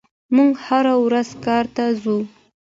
موږ هره ورځ کار ته ځو.